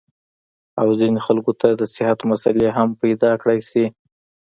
او ځينې خلکو ته د صحت مسئلې هم پېدا کېدے شي -